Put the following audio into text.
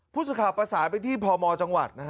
พูดสภาพภาษาไปที่พมจังหวัด